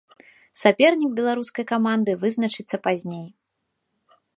Сапернік беларускай каманды вызначыцца пазней.